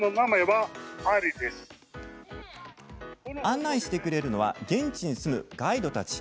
案内してくれるのは現地に住むガイドたち。